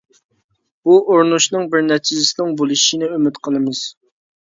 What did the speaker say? بۇ ئۇرۇنۇشنىڭ بىر نەتىجىسىنىڭ بولۇشىنى ئۈمىد قىلىمىز.